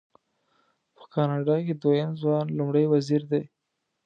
په کاناډا کې دویم ځوان لومړی وزیر دی.